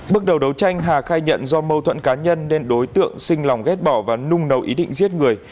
bước đầu đấu tranh hà khai nhận do mâu thuẫn cá nhân nên đối tượng sinh lòng ghép bỏ và nung nấu ý định giết người